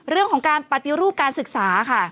เรื่องของการปฏิรูปการศึกษาค่ะ